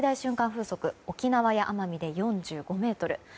風速沖縄や奄美で４５メートル